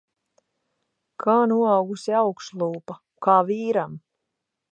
Kā noaugusi augšlūpa. Kā vīram.